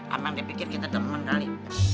amang dia pikir kita demen kali